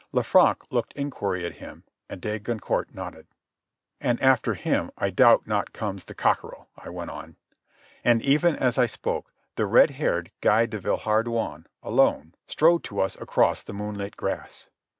Lanfranc looked inquiry at him, and de Goncourt nodded. "And after him I doubt not comes the cockerel," I went on. And even as I spoke the red haired Guy de Villehardouin, alone, strode to us across the moonlit grass.